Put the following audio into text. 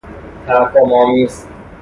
تحکم آمیز